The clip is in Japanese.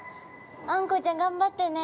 あんこうちゃん頑張ってね。